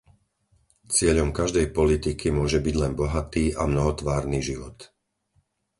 Cieľom každej politiky môže byť len bohatý a mnohotvárny život.